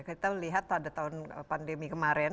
kita lihat pada tahun pandemi kemarin